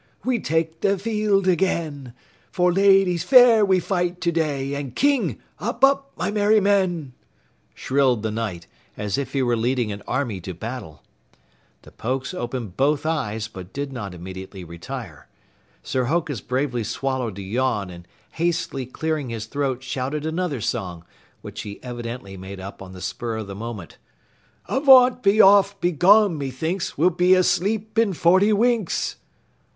We take the field again For Ladies fair we fight today And KING! Up, up, my merry men! shrilled the Knight as if he were leading an army to battle. The Pokes opened both eyes, but did not immediately retire. Sir Hokus bravely swallowed a yawn and hastily clearing his throat shouted another song, which he evidently made up on the spur of the moment: Avaunt! Be off! Be gone Methinks We'll be asleep in forty winks!